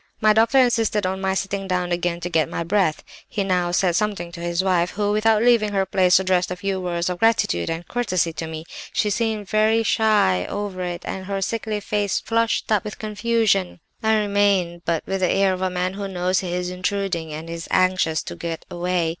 "My doctor insisted on my sitting down again to get my breath. He now said something to his wife who, without leaving her place, addressed a few words of gratitude and courtesy to me. She seemed very shy over it, and her sickly face flushed up with confusion. I remained, but with the air of a man who knows he is intruding and is anxious to get away.